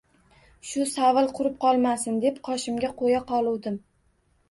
Shu savil qurib qolmasin, deb qoshimga qo‘ya qoluvdim.